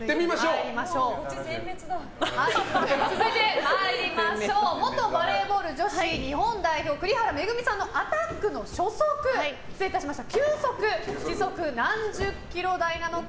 続いて、元バレーボール女子日本代表・栗原恵さんのアタックの球速は時速何十キロ台なのか。